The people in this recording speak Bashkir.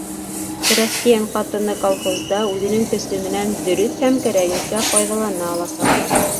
-...Крәҫтиән ҡатыны колхозда үҙенең көсө менән дөрөҫ һәм кәрәгенсә файҙалана аласаҡ.